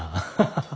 ハハハハ。